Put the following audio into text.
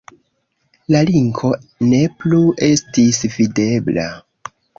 La linko ne plu estis videbla.